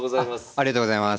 ありがとうございます。